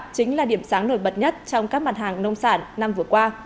chính là điểm sáng nổi bật nhất trong các mặt hàng nông sản năm vừa qua